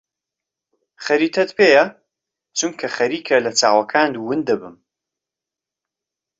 خەریتەت پێیە؟ چونکە خەریکە لە چاوەکانت ون دەبم.